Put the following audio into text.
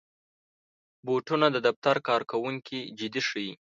بوټونه د دفتر کارکوونکي جدي ښيي.